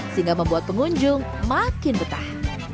sehingga membuat pengunjung makin betah